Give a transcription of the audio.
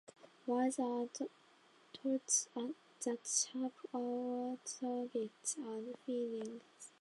Words are tools that shape our thoughts and feelings.